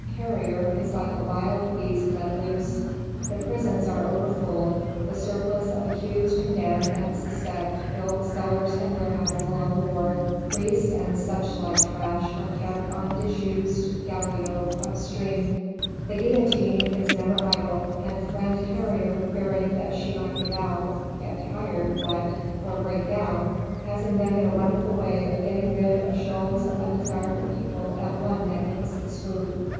Carrier is like a wild beast let loose. The prisons are over full: the surplus of accused, condemned and suspect fills the cellars and warehouses along the wharf. Priests and suchlike trash are kept on disused galliots up stream. The guillotine is never idle, and friend Carrier fearing that she might give out get tired, what? or break down has invented a wonderful way of getting rid of shoals of undesirable people at one magnificent swoop.